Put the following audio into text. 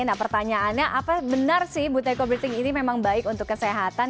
nah pertanyaannya apa benar sih buteco breathing ini memang baik untuk kesehatan